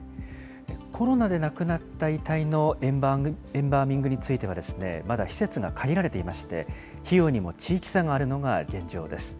コロナで亡くなった遺体のエンバーミングについては、まだ施設が限られていまして、費用にも地域差があるのが現状です。